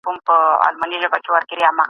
د څيړني لاره له عادي زده کړي اوږده وي.